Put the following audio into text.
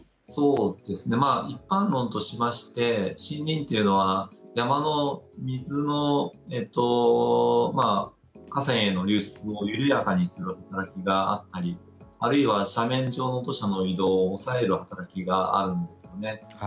一般論として森林というのは山の水の河川への流出を緩やかにする働きがあったりあるいは、斜面上の土砂の移動を抑える働きがあるんですね。